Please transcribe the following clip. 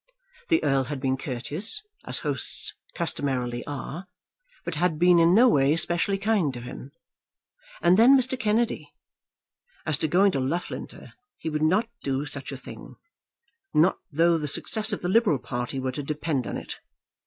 The Earl had been courteous, as hosts customarily are, but had been in no way specially kind to him. And then Mr. Kennedy! As to going to Loughlinter, he would not do such a thing, not though the success of the liberal party were to depend on it.